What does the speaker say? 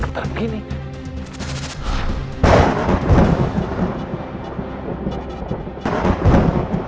sebentar lagi raden akan terolong